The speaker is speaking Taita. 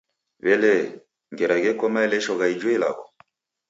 W'elee, ngera gheko maelesho gha iji ilagho?